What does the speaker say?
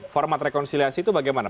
format rekonsiliasi itu bagaimana